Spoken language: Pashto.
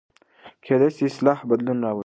کېدای سي اصلاح بدلون راولي.